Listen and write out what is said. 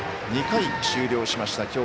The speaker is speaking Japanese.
２回終了しました